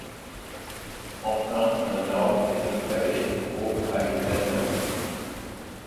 Enfin, un orgue est installé au à une date inconnue.